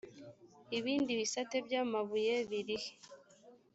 ibindi bisate by amabuyebirihe